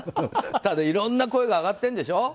ただ、いろんな声が上がってるんでしょ？